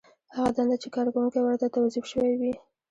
هغه دنده چې کارکوونکی ورته توظیف شوی وي.